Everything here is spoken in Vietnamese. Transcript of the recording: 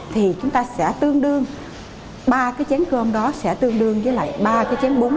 thì chúng ta sẽ tương đương ba cái chén cơm đó sẽ tương đương với lại ba cái chén bún